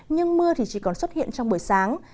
nhưng mưa chỉ còn xuất hiện trong buổi sáng